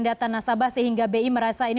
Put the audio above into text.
data nasabah sehingga bi merasa ini